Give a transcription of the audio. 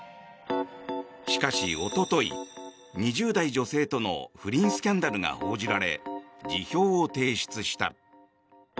しかし、おととい２０代女性との不倫スキャンダルが報じられ辞表を提出した。